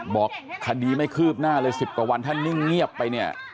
บอกคดีไม่คืบหน้าเลย๑๐กว่าวันถ้านิ่งเงียบไปเนี่ย